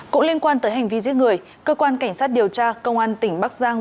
cũng liên quan tới hành vi giết người cơ quan cảnh sát điều tra công an tỉnh bắc giang